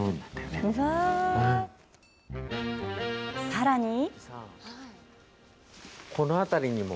さらに。